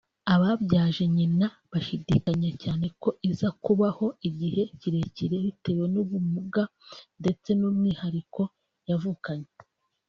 Ababyaje nyina bashidikanya cyane ko iza kubaho igihe kirekire bitewe n’ubumuga ndetse n’umwihariko yavukanye